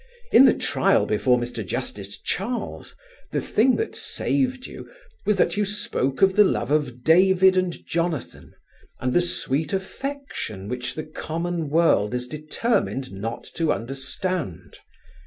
In the trial before Mr. Justice Charles, the thing that saved you was that you spoke of the love of David and Jonathan and the sweet affection which the common world is determined not to understand.